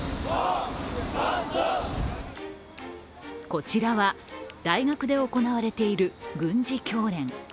こちらは大学で行われている軍事教練。